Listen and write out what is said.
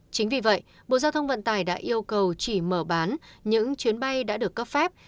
chính vì vậy bộ giao thông vận tải đã yêu cầu chỉ mở bán những chuyến bay đã được cấp phép